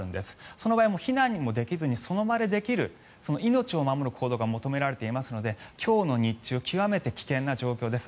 その場合、避難もできずにその場でできる命を守る行動が求められていますので今日の日中極めて危険な状況です。